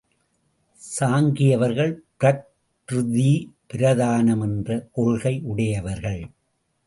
சாங்கியவர்கள் பிரக்ருதி பிரதானம் என்ற கொள்கையுடையவர்கள்.